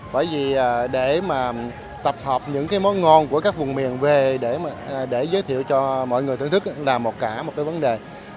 bởi vì để tập hợp những món ngon của các vùng miền về để giới thiệu cho mọi người thưởng thức là một vấn đề